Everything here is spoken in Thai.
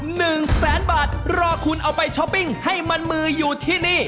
หนึ่งแสนบาทรอคุณเอาไปช้อปปิ้งให้มันมืออยู่ที่นี่